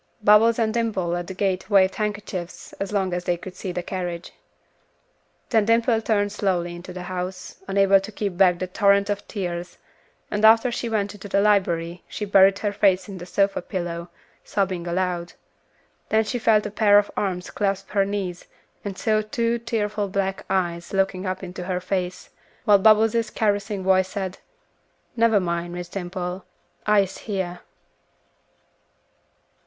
Bubbles and Dimple at the gate waved handkerchiefs as long as they could see the carriage. Then Dimple turned slowly into the house, unable to keep back the torrent of tears, and after she went into the library she buried her face in the sofa pillow, sobbing aloud; then she felt a pair of arms clasp her knees and saw two tearful black eyes looking up into her face, while Bubbles' caressing voice said, "Never min', Miss Dimple, I'se hyah."